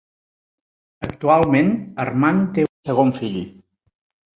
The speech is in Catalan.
Actualment, Armand té un segon fill.